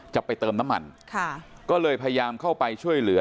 จะไปเติมน้ำมันค่ะก็เลยพยายามเข้าไปช่วยเหลือ